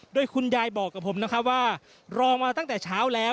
โดยคุณยายบอกกับผมนะครับว่ารอมาตั้งแต่เช้าแล้ว